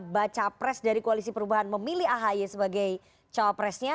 baca pres dari koalisi perubahan memilih ahy sebagai cawapresnya